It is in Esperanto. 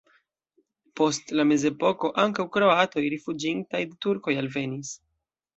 Post la mezepoko ankaŭ kroatoj rifuĝintaj de turkoj alvenis.